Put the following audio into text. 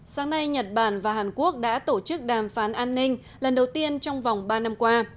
sáng nay nhật bản và hàn quốc đã tổ chức đàm phán an ninh lần đầu tiên trong vòng ba năm qua